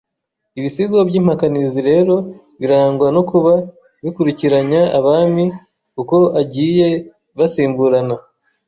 Ibisigo by’impakanizi rero birangwa no kuba bikurikiranya abami uko agiye basimburana